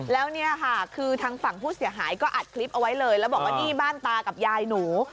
แล้วเนี่ยค่ะคือทางฝั่งผู้เสียหายก็อัดคลิปเอาไว้เลยแล้วบอกว่านี่บ้านตากับยายหนู